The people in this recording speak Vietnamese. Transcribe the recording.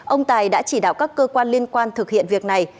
ông tài đã chỉ đạo các cơ quan liên quan thực hiện việc này